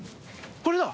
これだ。